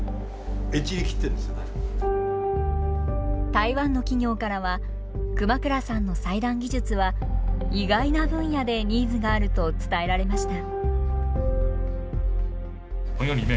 台湾の企業からは熊倉さんの裁断技術は意外な分野でニーズがあると伝えられました。